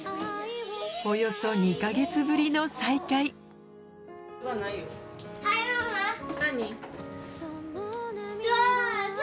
およそ２か月ぶりの再会はいママ。